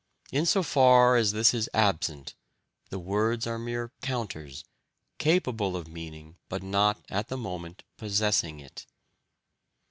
In so far as this is absent, the words are mere counters, capable of meaning, but not at the moment possessing it.